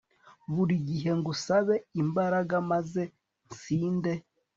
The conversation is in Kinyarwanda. buri gihe, ngusabe imbaraga maze nsinde